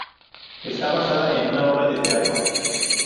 Está basada en una obra de teatro.